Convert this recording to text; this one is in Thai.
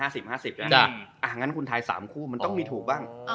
อย่างนั้นคุณทาย๓คู่มันต้องมีถูกบ้าง